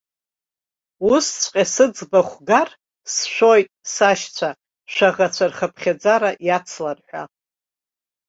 Усҵәҟьа сыӡбахә гар, сшәоит, сашьцәа, шәаӷацәа рхыԥхьаӡара иацлар ҳәа.